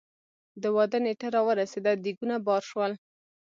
د واده نېټه را ورسېده ديګونه بار شول.